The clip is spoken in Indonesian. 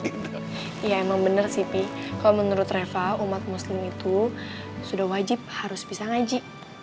iya emang bener sih kalau menurut reva umat muslim itu sudah wajib harus bisa ngaji